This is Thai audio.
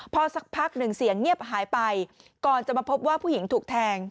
พอสักพักหนึ่งเสียงเงียบหายไปก่อนจะมาพบว่าผู้หญิงถูกแทง